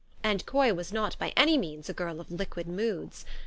And Coy was not by any means a girl of liquid moods.